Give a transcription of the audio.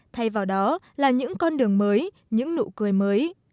thay vào đó là những con đường mới những nụ cười mới